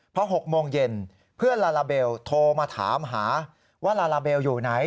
พอ๖โมงเย็นเพื่อนลาลาเบลโทรมาถามหาว่าลาลาเบลอยู่ไหน